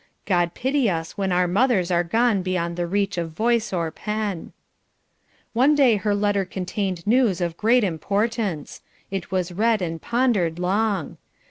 God pity us when our mothers are gone beyond the reach of voice or pen. One day her letter contained news of great importance. It was read and pondered long.